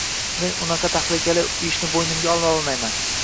Men bunaqa tahlikali ishni boʻynimga ololmayman, uzr